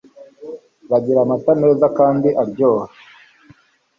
Bagira amata meza kandi aryoha